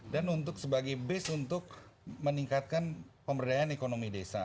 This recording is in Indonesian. dan sebagai base untuk meningkatkan pemberdayaan ekonomi desa